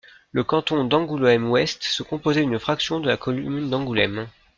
Le canton d'Angoulême-Ouest se composait d’une fraction de la commune d'Angoulême.